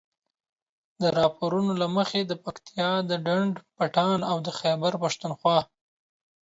د راپورونو له مخې د پکتیا د ډنډ پټان او د خيبر پښتونخوا